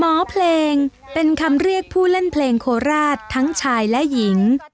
เพลงเป็นคำเรียกผู้เล่นเพลงโคราชทั้งชายและหญิง